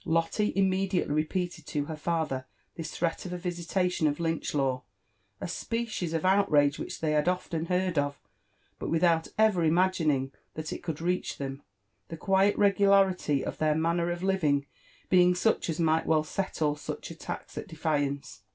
Lotte immediately repeated to her father this threat of a visitation of Lynch'law ; a species of outrage which they had often heard of, but without ever imagining that it could reach them, the quiet regu larity of their manner of living being such as might well set all such attacks at defiance.